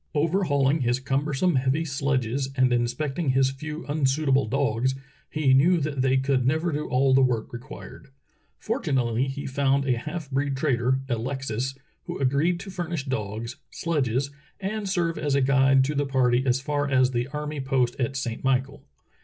Overhauling his cumbersome, heavy sledges and in specting his few unsuitable dogs, he knew that they could never do all the work required. Fortunately he found a half breed trader, Alexis, who agreed to furnish dogs, sledges, and serve as a guide to the party as far as the army post at Saint Michael.